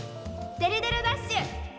「デルデロダッシュ」！